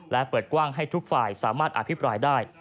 และเปิดกว้างให้ทุกฝ่ายสามารถอภิปรายได้